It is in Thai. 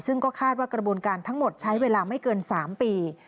ซึ่งก็คาดว่ากระบวนการทั้งหมดใช้เวลาไม่เกิน๓ปี